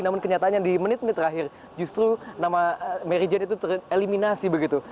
namun kenyataannya di menit menit terakhir justru nama mary jane itu tereliminasi begitu